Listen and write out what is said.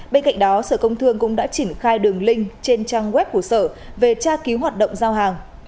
bên cạnh đó sở công thương cũng đã triển khai đường link trên trang web của sở về tra cứu hoạt động giao hàng